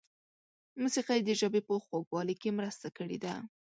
موسیقۍ د ژبې په خوږوالي کې مرسته کړې ده.